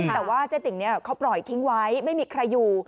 แต่ว่าเจ๊ติ๋งเขาปล่อยทิ้งไว้ไม่มีใครอยู่